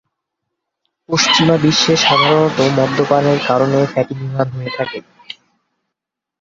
পশ্চিমা বিশ্বে সাধারণত মদ্যপানের কারণে ফ্যাটি লিভার হয়ে থাকে।